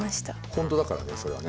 本当だからねそれはね。